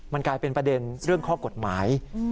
มันกลายเป็นประเด็นเรื่องข้อกฎหมาย